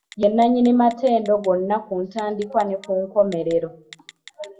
Ye nnanyini matendo gonna ku ntandikwa ne ku nkomerero.